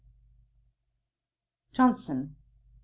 JOHNSON.